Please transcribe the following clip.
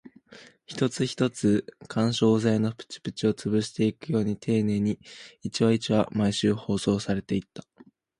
一つ一つ、緩衝材のプチプチを潰していくように丁寧に、一話一話、毎週放送されていった